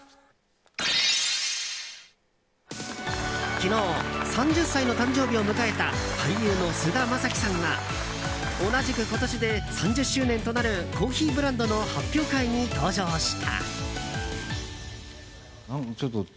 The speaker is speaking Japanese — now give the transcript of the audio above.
昨日、３０歳の誕生日を迎えた俳優の菅田将暉さんが同じく今年で３０周年となるコーヒーブランドの発表会に登場した。